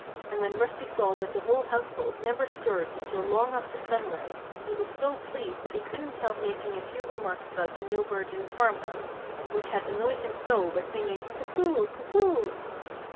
And when Rusty saw that the whole household never stirred until long after sunrise, he was so pleased that he couldn't help making a few remarks about the new bird in the farmhouse, which had annoyed him so by singing "Cuckoo! cuckoo!"